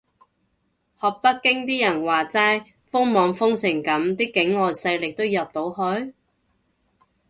學北京啲人話齋，封網封成噉啲境外勢力都入到去？